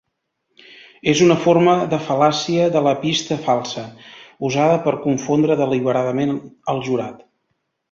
És una forma de fal·làcia de la pista falsa, usada per confondre deliberadament el jurat.